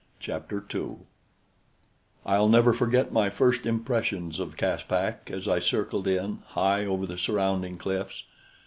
Chapter 2 I'll never forget my first impressions of Caspak as I circled in, high over the surrounding cliffs.